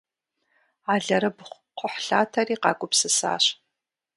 Алэрыбгъу-кхъухьлъатэри къагупсысащ.